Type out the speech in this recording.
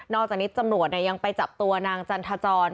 จากนี้ตำรวจยังไปจับตัวนางจันทจร